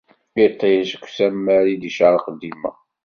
Iṭij seg usammar i d-icerreq dima.